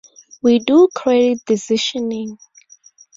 We do credit decisioning